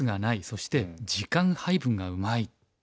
そして時間配分がうまい」。